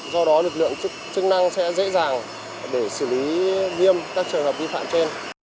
do đó lực lượng chức năng sẽ dễ dàng để xử lý viêm các trường hợp vi phạm trên